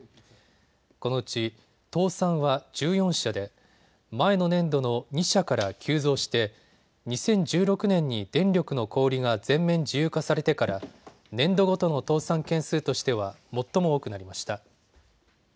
このうち倒産は１４社で前の年度の２社から急増して２０１６年に電力の小売りが全面自由化されてから年度ごとの倒産件数としては最も多くなりました。